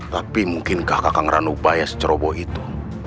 tapi mungkin kakak ranubaya seceroboh itu